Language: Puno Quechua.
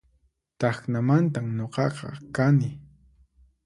Tacnamantan nuqaqa kani